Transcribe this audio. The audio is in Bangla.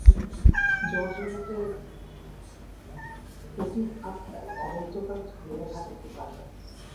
জড় জগতের অতীত আত্মাই অনন্তকাল ধরিয়া থাকিতে পারেন।